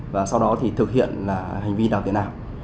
và sau đó thì thực hiện hành vi đào tiền ảo